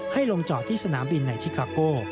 ให้ลงจอดที่สนามบินในชิคาโก้